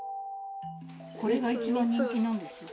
これが一番人気なんですよ。